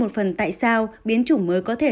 một phần tại sao biến chủng mới có thể